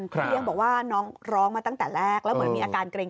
พี่เลี้ยงบอกว่าน้องร้องมาตั้งแต่แรกแล้วเหมือนมีอาการเกร็ง